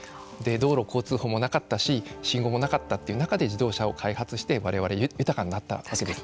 道路交通法もなかったし信号もなかったという中で自動車を開発して我々豊かになったわけです。